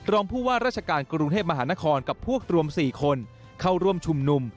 รองผู้ว่าราชการกรุงเทพมหานครกับพวกรวม๔คนเข้าร่วมชุมนุม